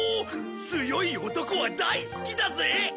強い男は大好きだぜ！